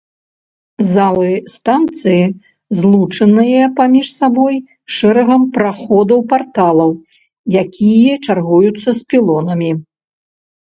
Залы станцыі злучаныя паміж сабой шэрагам праходаў-парталаў, якія чаргуюцца з пілонамі.